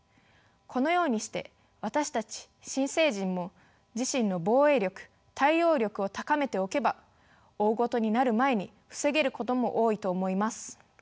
このようにして私たち新成人も自身の防衛力対応力を高めておけば大ごとになる前に防げることも多いと思います。